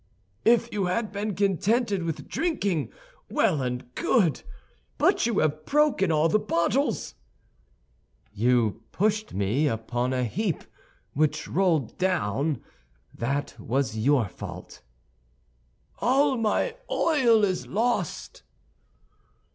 "If you had been contented with drinking, well and good; but you have broken all the bottles." "You pushed me upon a heap which rolled down. That was your fault." "All my oil is lost!"